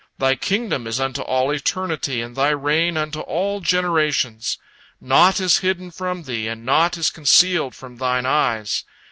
Thy kingdom is unto all eternity, and Thy reign unto all generations. Naught is hidden from Thee, and naught is concealed from Thine eyes.